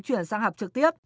chuyển sang học trực tiếp